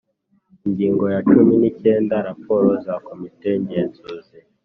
Ingingo ya cumi n’icyenda : Raporo za Komite Ngenzuzi